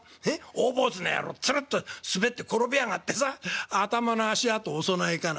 大坊主の野郎ツルッと滑って転びやがってさ頭の足跡お供えかな」。